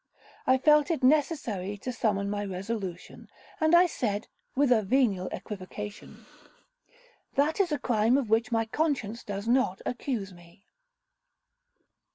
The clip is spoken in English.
I felt it necessary to summon my resolution—and I said, with a venial equivocation, 'That is a crime of which my conscience does not accuse me?